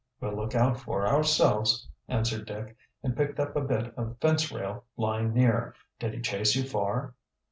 "We'll look out for ourselves," answered Dick, and picked up a bit of fence rail lying near. "Did he chase you far?"